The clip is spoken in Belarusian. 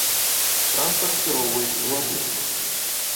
Транспарт скіроўваюць у аб'езд.